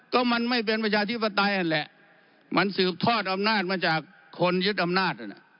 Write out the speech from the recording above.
ก็มันไม่เป็นประชาธิปไตยนั่นแหละมันสืบทอดอำนาจมาจากคนยึดอำนาจ